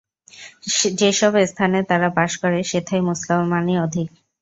যে সব স্থানে তারা বাস করে, সেথায় মুসলমানই অধিক।